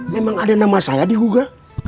memang ada nama saya di huga